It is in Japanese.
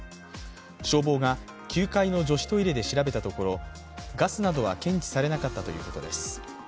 消防が９階の女子トイレで調べたところ、ガスなどは検知されなかったということです。